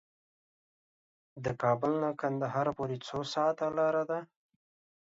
کابل نه قندهار پورې څو ساعته لار ده؟